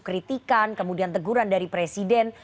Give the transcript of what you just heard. kritikan kemudian teguran dari presiden